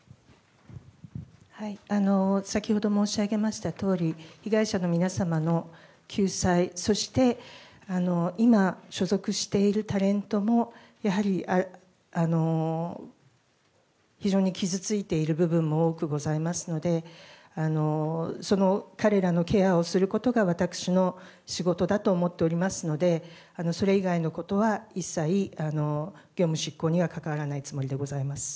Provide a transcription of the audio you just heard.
先ほど申し上げましたとおり、被害者の皆様の救済、そして今、所属しているタレントもやはり、非常に傷ついている部分も多くございますので、その彼らのケアをすることが私の仕事だと思っておりますので、それ以外のことは一切、業務執行には関わらないつもりでございます。